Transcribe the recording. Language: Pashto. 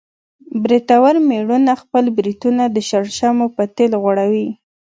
برېتور مېړونه خپل برېتونه د شړشمو په تېل غوړوي.